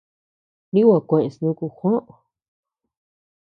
Nigua kueʼes nuku Juó.